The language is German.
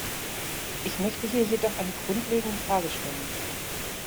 Ich möchte hier jedoch eine grundlegende Frage stellen.